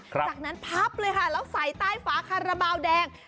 จากนั้นพับเลยค่ะแล้วใส่ใต้ฝาคาราบาลแดง